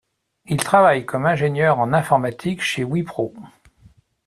Il travaille comme ingénieur en informatique chez WIPRO.